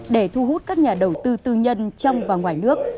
để thu hút các nhà đầu tư tư nhân trong và ngoài nước